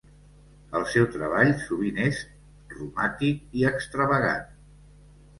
Els seu treball sovint és romàtic i extravagant.